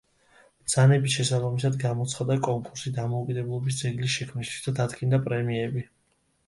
ბრძანების შესაბამისად, გამოცხადდა კონკურსი დამოუკიდებლობის ძეგლის შექმნისთვის და დადგინდა პრემიები.